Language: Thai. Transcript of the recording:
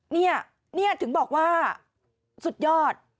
เนี่ยเนี่ยถึงบอกว่าสุดยอด